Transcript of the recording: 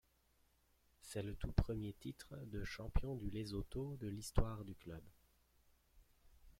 C'est le tout premier titre de champion du Lesotho de l'histoire du club.